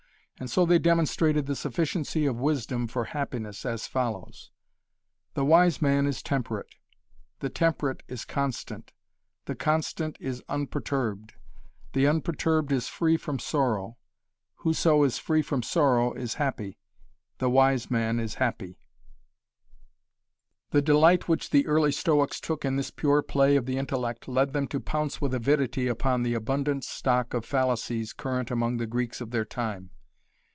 And so they demonstrated the sufficiency of wisdom for happiness as follows The wise man is temperate The temperate is constant The constant is unperturbed The unperturbed is free from sorrow Whoso is free from sorrow is happy The wise man is happy The delight which the early Stoics took in this pure play of the intellect led them to pounce with avidity upon the abundant stock of fallacies current among the Greeks of their time.